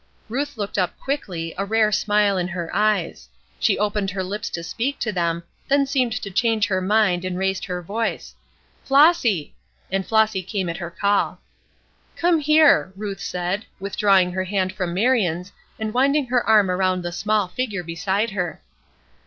Ruth looked up quickly, a rare smile in her eyes; she opened her lips to speak to them, then seemed to change her mind and raised her voice: "Flossy!" And Flossy came at her call. "Come here," Ruth said, withdrawing her hand from Marion's, and winding her arm around the small figure beside her.